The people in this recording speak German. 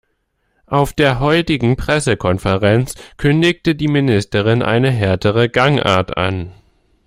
Auf der heutigen Pressekonferenz kündigte die Ministerin eine härtere Gangart an.